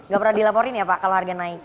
gak pernah dilaporin ya pak kalau harga naik